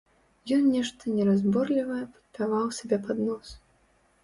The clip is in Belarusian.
Ён нешта неразборлівае напяваў сабе пад нос.